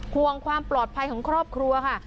ห่วงความปลอดภัยของครอบครัวค่ะ